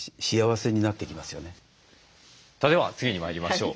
さあでは次に参りましょう。